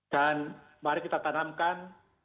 dan mari kita tanamkan